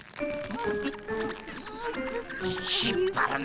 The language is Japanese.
引っぱるな。